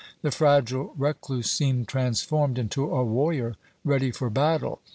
The fragile recluse seemed transformed into a warrior ready for battle.